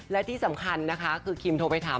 และที่สำคัญนะคะคือคิมโทรไปถาม